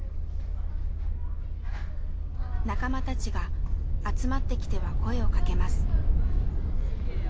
仲間たちが集まってきては声をかけます。